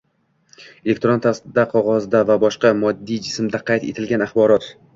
elektron tarzda, qog‘ozda va boshqa moddiy jismda qayd etilgan axborot;